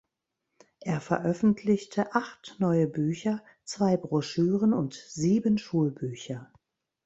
Er veröffentlichte acht neue Bücher, zwei Broschüren und sieben Schulbücher.